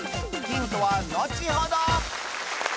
ヒントは後ほど！